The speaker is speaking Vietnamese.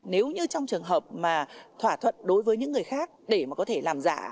nếu như trong trường hợp mà thỏa thuận đối với những người khác để mà có thể làm giả